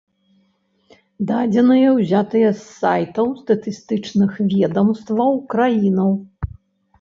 Дадзеныя ўзятыя з сайтаў статыстычных ведамстваў краінаў.